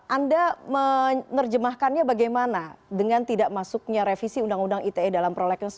anda menerjemahkannya bagaimana dengan tidak masuknya revisi undang undang ite dalam prolakel dua ribu dua puluh satu